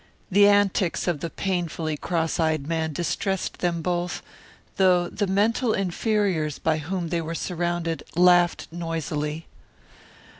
The antics of the painfully cross eyed man distressed them both, though the mental inferiors by whom they were surrounded laughed noisily.